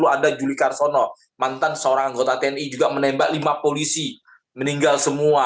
ada juli karsono mantan seorang anggota tni juga menembak lima polisi meninggal semua